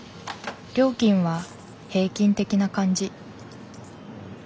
料金は平均的な感じ。